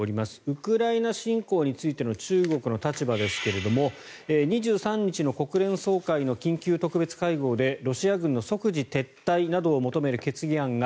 ウクライナ侵攻についての中国の立場ですが２３日の国連総会の緊急特別会合でロシア軍の即時撤退などを求める決議案が